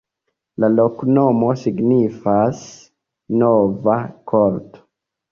La loknomo signifas: nova-korto.